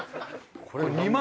これ２万